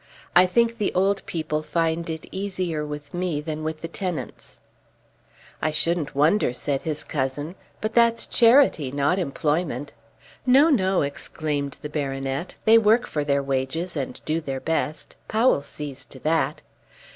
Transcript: I think the old people find it easier with me than with the tenants." "I shouldn't wonder," said his cousin; "but that's charity; not employment." "No, no," exclaimed the baronet. "They work for their wages and do their best. Powell sees to that."